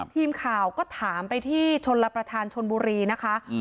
ทีมข่าวก็ถามไปที่ชนรับประทานชนบุรีนะคะ